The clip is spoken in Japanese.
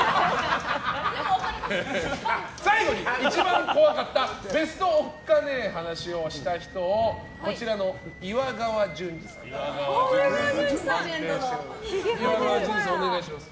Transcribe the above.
最後に一番怖かったベストおっカネ話をした人をこちらの岩川淳二さんに判定してもらいます。